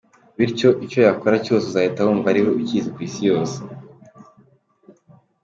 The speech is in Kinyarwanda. Bityo, icyo yakora cyose uzahita wumva ariwe ucyizi kwisi yose.